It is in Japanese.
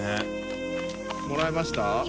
佑Аもらえました？